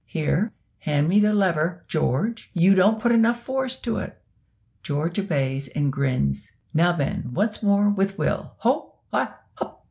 "Here, hand me the lever, George; you don't put enough force to it." George obeys and grins. "Now then, once more, with will ho! hi! hup!"